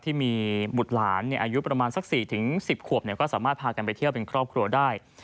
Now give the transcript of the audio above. ที่มีบุตรหลานอายุประมาณสัก๔๑๐ขวบก็สามารถพากันไปเที่ยวเป็นครอบครัวได้